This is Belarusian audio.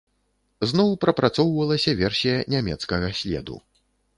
Зноў прапрацоўвалася версія нямецкага следу.